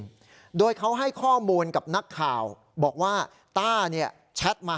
ด้วยเขาให้ข้อมูลกับนักข่าวบอกว่าต้าเนี่ยแชทมา